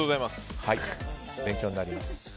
勉強になります。